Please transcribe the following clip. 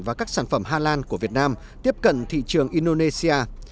và các sản phẩm hà lan của việt nam tiếp cận thị trường indonesia